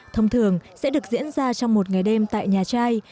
thông thường sẽ được diễn ra trong một ngày đêm tại nhà trai